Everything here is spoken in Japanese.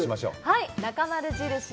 はい「なかまる印」